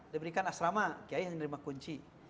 diberikan asrama kiai yang menerima kunci